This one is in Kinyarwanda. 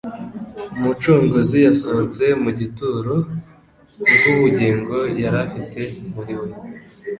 Umucunguzi yasohotse mu gituro kubw'ubugingo yari afite muri we.